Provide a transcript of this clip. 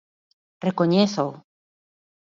Recoñézoo.